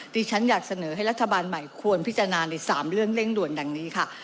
ที่ฉันอยากเสนอให้รัฐบาลใหม่ควรพิจารณาใน๓เรื่องเร่งด่วนดังนี้ค่ะ